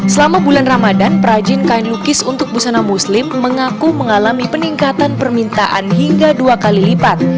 selama bulan ramadan perajin kain lukis untuk busana muslim mengaku mengalami peningkatan permintaan hingga dua kali lipat